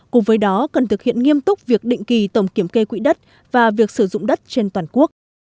cùng với đó cần thực hiện nghiêm túc việc định kỳ tổng kiểm kê quỹ đất và việc sử dụng đất trên toàn quốc